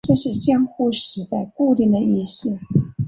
这是江户时代固定的仪式。